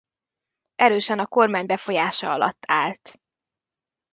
Erősen a kormány befolyása alatt állt.